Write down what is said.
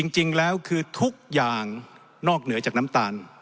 จริงแล้วคือทุกอย่างนอกเหนือจากน้ำตาล